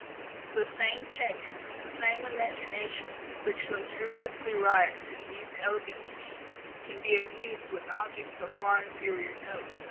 The same taste, the same imagination, which luxuriously riots in these elegant scenes, can be amused with objects of far inferior note.